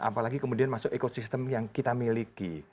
apalagi kemudian masuk ekosistem yang kita miliki